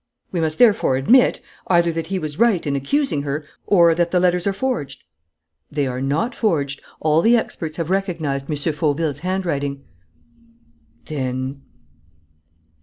"We must therefore admit either that he was right in accusing her or that the letters are forged?" "They are not forged. All the experts have recognized M. Fauville's handwriting." "Then?"